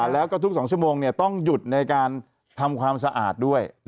แล้วก็ทุก๒ชั่วโมงต้องหยุดในการทำความสะอาดด้วย